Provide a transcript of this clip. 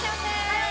はい！